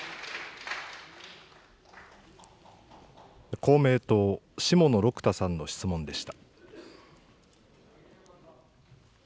公明党、下野六太さんの質問でした。